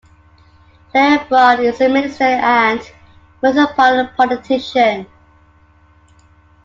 Clare Braun is a minister and municipal politician.